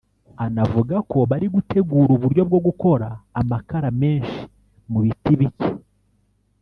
Anavuga ko bari gutegura uburyo bwo gukora amakara menshi mu biti bike